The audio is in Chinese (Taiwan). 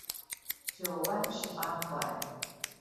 九彎十八拐